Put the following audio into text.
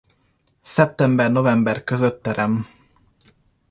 Szeptember-november között terem.